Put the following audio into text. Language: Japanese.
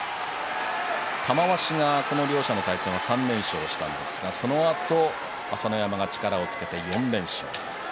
玉鷲がこの両者の対戦は３連勝したんですが、そのあと朝乃山が力をつけて４連勝。